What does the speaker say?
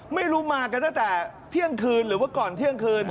ไม่รู้มากันตั้งแต่เที่ยงคืนหรือว่าก่อนเที่ยงคืน